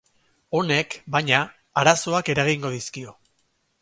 Honek, baina, arazoak eragingo dizkio.